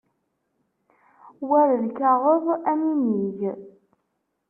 War lkaɣeḍ ad ninig.